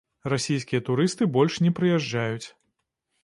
Расійскія турысты больш не прыязджаюць.